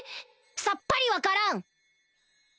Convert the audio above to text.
さっぱり分からん！